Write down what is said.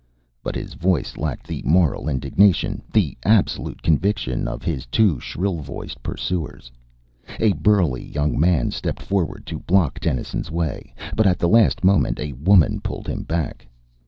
But his voice lacked the moral indignation, the absolute conviction of his two shrill voiced pursuers. A burly young man stepped forward to block Dennison's way, but at the last moment a woman pulled him back.